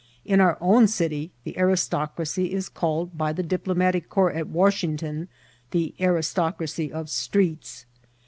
In our own city the anstocracy is called by the diplomatic corps at Washington the aristocracy of streets.